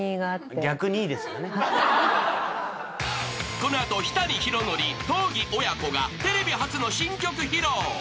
［この後日谷ヒロノリ東儀親子がテレビ初の新曲披露］